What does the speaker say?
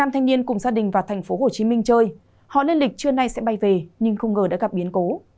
năm thanh niên cùng gia đình vào tp hcm chơi họ lên lịch trưa nay sẽ bay về nhưng không ngờ đã gặp biến cố